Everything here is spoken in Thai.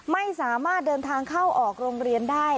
ไม่สามารถเดินทางเข้าออกโรงเรียนได้